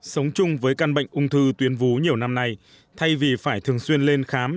sống chung với căn bệnh ung thư tuyến vú nhiều năm nay thay vì phải thường xuyên lên khám